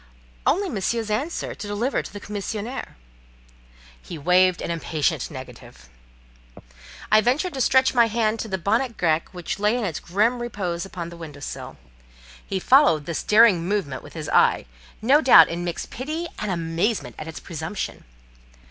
"Only Monsieur's answer to deliver to the commissionaire." He waved an impatient negative. I ventured to stretch my hand to the bonnet grec which lay in grim repose on the window sill. He followed this daring movement with his eye, no doubt in mixed pity and amazement at its presumption.